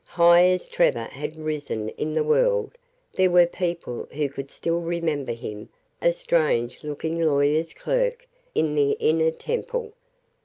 High as Trevor had risen in the world, there were people who could still remember him a strange looking lawyer's clerk in the Inner Temple.